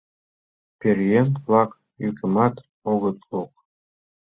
Пӧръеҥ-влак йӱкымат огыт лук.